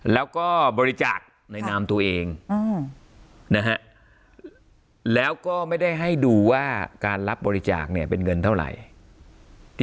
แล้วก็บริจาคในนามตัวเองนะฮะแล้วก็ไม่ได้ให้ดูว่าการรับบริจาคเนี่ยเป็นเงินเท่าไหร่